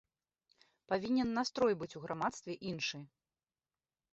Павінен настрой быць у грамадстве іншы.